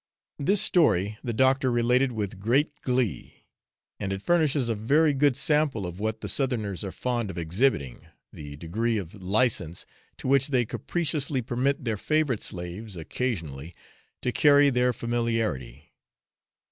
This story the Doctor related with great glee, and it furnishes a very good sample of what the Southerners are fond of exhibiting, the degree of licence to which they capriciously permit their favourite slaves occasionally to carry their familiarity.